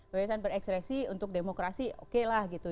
kebebasan berekspresi untuk demokrasi okelah gitu